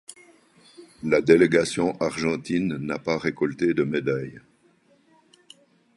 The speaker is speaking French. La délégation argentine n'a pas récolté de médaille.